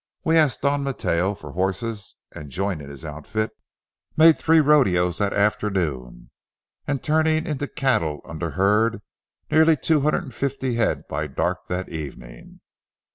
We asked Don Mateo for horses and, joining his outfit, made three rodeos that afternoon, turning into the cattle under herd nearly two hundred and fifty head by dark that evening.